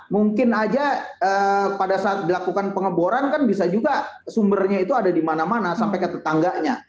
mungkin aja pada saat dilakukan pengeboran kan bisa juga sumbernya itu ada di mana mana sampai ke tetangganya